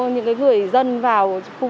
những người dân vào khu vực